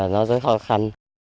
nó rất khó khăn